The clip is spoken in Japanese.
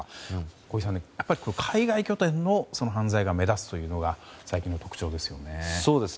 小木さん、海外拠点の犯罪が目立つというのが最近の特徴ですよね。